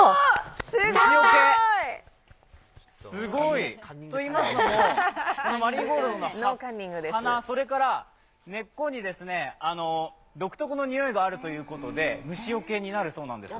虫よけ、すごい。といいますのもマリーゴールドの花、それから根っこに独特のにおいがあるということで、虫よけになるそうです。